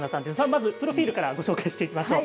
まずプロフィールからご紹介していきましょう。